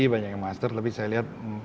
banyak yang master tapi saya lihat